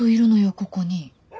ここに。